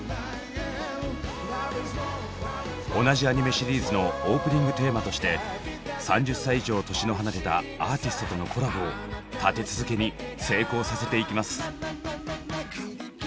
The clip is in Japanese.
同じアニメシリーズのオープニングテーマとして３０歳以上年の離れたアーティストとのコラボを立て続けに成功させていきます。